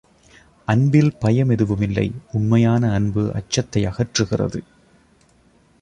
அன்பில் பயம் எதுவுமில்லை உண்மையான அன்பு அச்சத்தை அகற்றுகிறது.